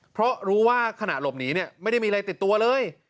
เพราะรู้ว่าขณะหลบหนีเนี่ยไม่ได้มีอะไรติดตัวเลย